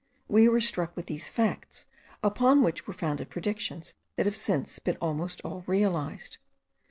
We were struck with these facts, upon which were founded predictions that have since been almost all realized.